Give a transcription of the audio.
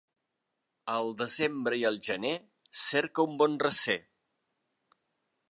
Al desembre i al gener cerca un bon recer.